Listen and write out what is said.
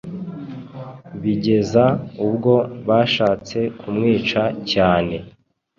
bigeza ubwo bashatse kumwica cyane